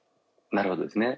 なるほどですね。